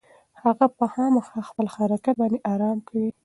هغه به خامخا پر خپل کټ باندې ارام کوي.